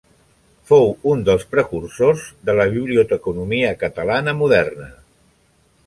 Fou un dels precursors de la biblioteconomia catalana moderna.